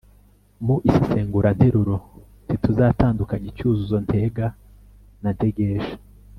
mu isesenguranteruro ntituzatandukanya icyuzuzo ntega na ntegesha